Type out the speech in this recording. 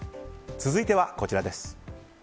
続いてはこちらです。